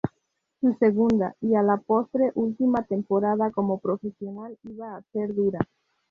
Su segunda, y a la postre última temporada como profesional iba a ser dura.